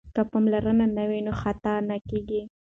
که پاملرنه وي نو خطا نه کیږي.